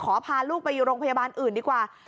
พาลูกไปอยู่โรงพยาบาลอื่นดีกว่า